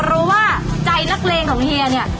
เพราะว่าใจนักเลงของเฮียเนี่ย